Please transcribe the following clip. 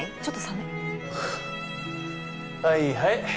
ちょっと寒い。